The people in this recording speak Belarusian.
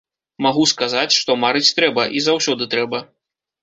Магу сказаць, што марыць трэба, і заўсёды трэба.